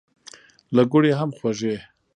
له ګوړې هم خوږې.